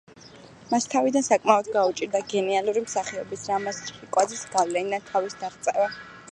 მას თავიდან საკმაოდ გაუჭირდა გენიალური მსახიობის – რამაზ ჩხიკვაძის – გავლენიდან თავის დაღწევა.